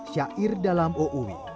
syair dalam o'uwi